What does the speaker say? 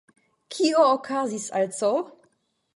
Kio okazis al C!?